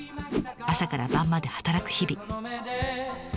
朝から晩まで働く日々。